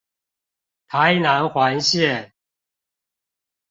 台南環線